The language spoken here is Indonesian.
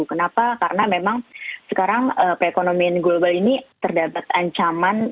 kenapa karena memang sekarang perekonomian global ini terdapat ancaman